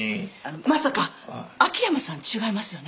まさか秋山さん違いますよね？